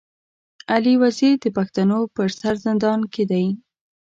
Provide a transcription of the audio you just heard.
علي وزير د پښتنو پر سر زندان کي دی.